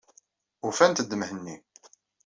Ufant-d Mhenni.